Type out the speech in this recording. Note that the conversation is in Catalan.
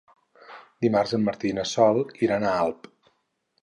Dimarts en Martí i na Sol iran a Alp.